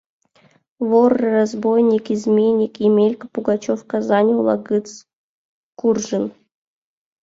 Вор, разбойник, изменник Емелька Пугачев Казань ола гыц куржын.